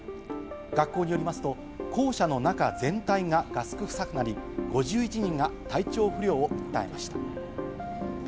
学校によりますと校舎の中、全体がガス臭くなり、５１人が体調不良を訴えました。